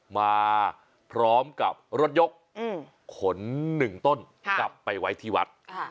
มาพร้อมกับรถยกขน๑ต้นกลับไปไว้ที่วัด